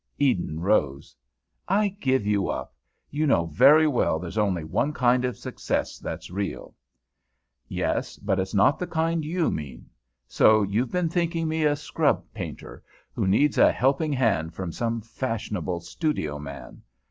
Eden rose. "I give you up. You know very well there's only one kind of success that's real." "Yes, but it's not the kind you mean. So you've been thinking me a scrub painter, who needs a helping hand from some fashionable studio man?